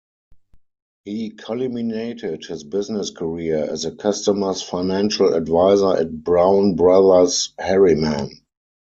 He culminated his business career as a customer's financial advisor at Brown Brothers Harriman.